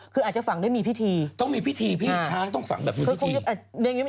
คืออาจจะฝังได้มีพิธีต้องมีพิธีพี่ช้างต้องฝังแบบนี้